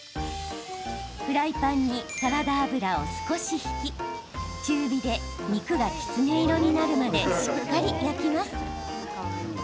フライパンにサラダ油を少し引き中火で肉がきつね色になるまでしっかり焼きます。